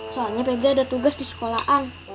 soalnya pg ada tugas di sekolahan